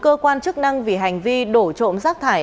cơ quan chức năng vì hành vi đổ trộm rác thải